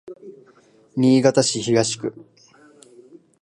新潟市東区